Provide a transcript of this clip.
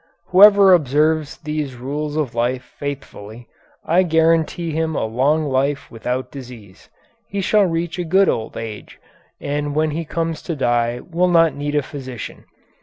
Whoever observes these rules of life faithfully I guarantee him a long life without disease. He shall reach a good old age, and when he comes to die will not need a physician.